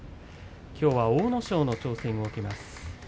きょうは阿武咲の挑戦を受けます。